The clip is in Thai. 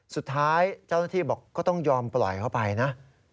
สุดท้ายเจ้าหน้าที่บอกก็ต้องยอมปล่อยเข้าไปนะ